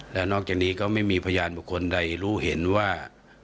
และนอกจากนี้ก็ไม่มีพยานบุคคลใดรู้เห็นว่า